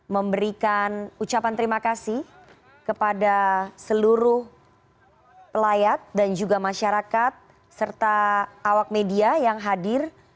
memberikan ucapan terima kasih kepada seluruh pelayat dan juga masyarakat serta awak media yang hadir